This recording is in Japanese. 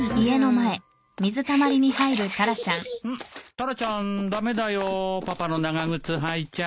タラちゃん駄目だよパパの長靴履いちゃ。